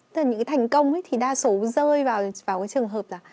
tức là những cái thành công thì đa số rơi vào cái trường hợp là